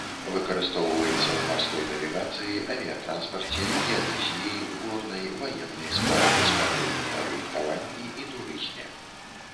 Выкарыстоўваецца ў марской навігацыі, авіятранспарце, геадэзіі, горнай, ваеннай справе, спартыўным арыентаванні і турызме.